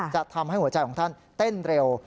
จะทำให้หัวใจของท่านเต้นเร็ว